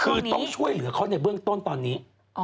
คือต้องช่วยเหลือเขาในเบื้องต้นตอนนี้